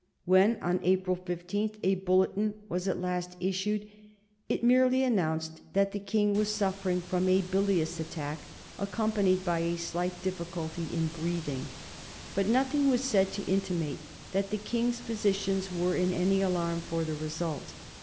When, on April 15, a bulletin was at last issued, it merely announced that the King was suffering from a bilious attack accompanied by a slight difficulty in breathing, but nothing was said to intimate that the King's physicians were in any alarm for the result.